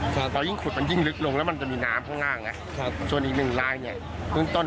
วันนี้มันเจอหนึ่งคนแล้วหาเบอร์ต้น